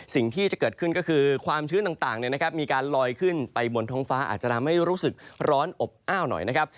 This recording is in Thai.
สิ่งที่จะเกิดขึ้นก็คือความชื้นต่างมีการลอยขึ้นไปบนท้องฟ้าอาจจะทำให้รู้สึกร้อนอบอ้าวหน่อยนะครับ